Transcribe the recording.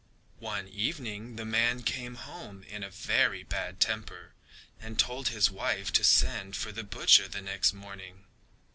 One evening the man came home in a very bad temper and told his wife to send for the butcher the next morning.